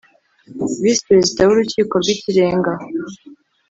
Visi Perezida w Urukiko rw Ikirenga